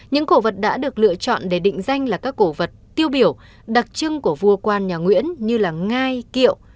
những cổ vật đã được lựa chọn để định danh là các cổ vật tiêu biểu đặc trưng của vua quan nhà nguyễn như ngai kiệu